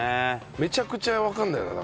めちゃくちゃわかんないよね。